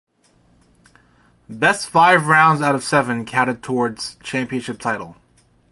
Best five rounds out of seven counted towards championship title.